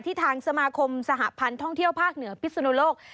ทางสมาคมสหพันธ์ท่องเที่ยวภาคเหนือพิศนุโลก